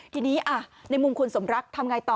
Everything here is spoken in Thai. ทีนี้ในมุมคุณสมรักทำไงต่อ